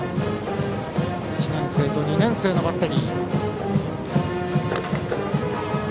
１年生と２年生のバッテリー。